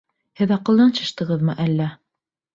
Һеҙ аҡылдан шаштығыҙмы әллә?